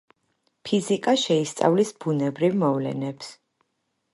ფიზიკა შეისწავლის ბუნებრივ მოვლენებს